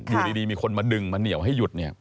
อยู่ดีมีคนมาดึงมาเหนียวให้หยุดเนี่ย